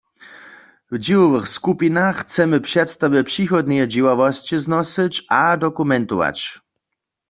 W dźěłowych skupinach chcemy předstawy přichodneje dźěławosće znosyć a dokumentować.